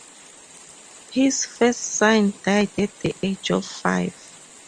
His first son died at the age of five.